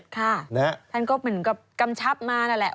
ท่านก็เหมือนกับกำชับมานั่นแหละ